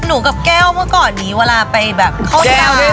หนูกับแก้วเมื่อก่อนนี้เวลาไปเข้าสาน